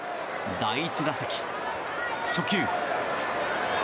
第１打席、初球。